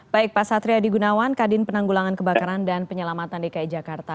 baik pak satri adi gunawan kadin penanggulangan kebakaran dan penyelamatan dki jakarta